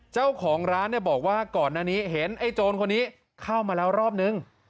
เจ้าของร้านเนี่ยบอกว่าก่อนอันนี้เห็นไอ้โจรคนนี้เข้ามาแล้วรอบนึง